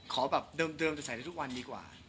ขอแบบเดิมจะใส่ได้ทุกวันดีกว่า